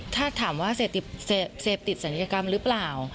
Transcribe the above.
ถ้าถามว่าเสพติดศัลยกรรมหรือเปล่า